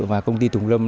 và công ty tùng lâm